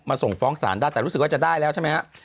ส่งฟ้องศาลได้แต่รู้สึกว่าจะได้แล้วใช่ไหมฮะ